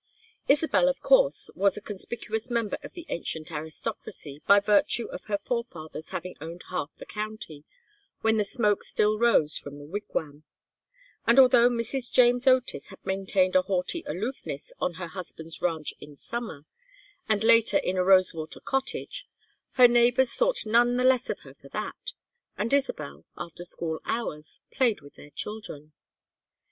Isabel, of course, was a conspicuous member of the ancient aristocracy, by virtue of her forefathers having owned half the county when the smoke still rose from the wigwam; and although Mrs. James Otis had maintained a haughty aloofness on her husband's ranch in summer, and later in a Rosewater cottage, her neighbors thought none the less of her for that, and Isabel, after school hours, played with their children.